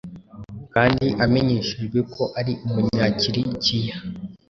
kandi amenyeshejwe ko ari Umunyakirikiya,